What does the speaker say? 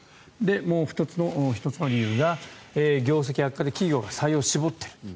もう１つの理由が業績悪化で企業が採用を絞っている。